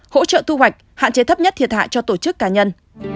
hỗ trợ thu hoạch hạn chế thấp nhất thiệt hại cho tổ chức cá nhân